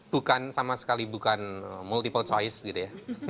bukan sama sekali multiple choice